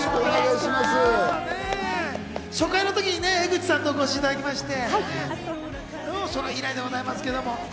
初回の時に江口さんと来ていただきまして、それ以来でございますけれども。